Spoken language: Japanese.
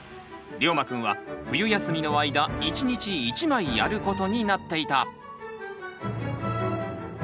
りょうまくんは冬休みの間１日１枚やることになっていた。